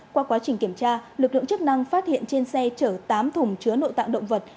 qua quá trình kiểm tra lực lượng chức năng phát hiện trên xe chở tám thùng chứa nội tạng động vật